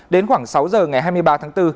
đến khoảng sáu giờ ngày hai mươi ba tháng bốn